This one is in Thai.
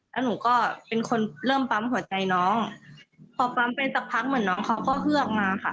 แล้วหนูก็เป็นคนเริ่มปั๊มหัวใจน้องพอปั๊มไปสักพักเหมือนน้องเขาก็เฮือกมาค่ะ